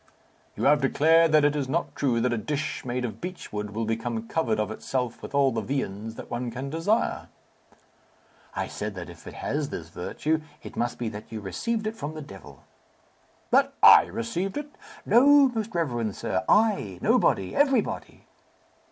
"You have declared that it is not true that a dish made of beech wood will become covered of itself with all the viands that one can desire." "I said, that if it has this virtue, it must be that you received it from the devil." "That I received it!" "No, most reverend sir. I, nobody, everybody!"